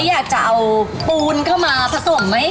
อยากจะเอาปูนเข้ามาผสมไหม